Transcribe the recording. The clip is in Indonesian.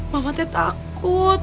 mama teh takut